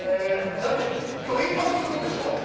だって今日１泊するんでしょ。